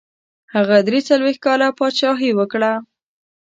هغه دري څلوېښت کاله پاچهي وکړه.